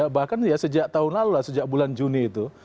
bahkan sejak tahun lalu sejak bulan juni itu